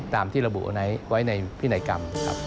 ตามที่ระบุไว้ในพิไหนกรรม